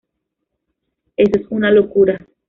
Eso es una locura.